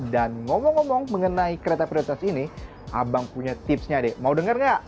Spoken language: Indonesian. dan ngomong ngomong mengenai kereta prioritas ini abang punya tipsnya adek mau denger gak